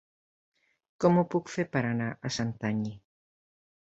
Com ho puc fer per anar a Santanyí?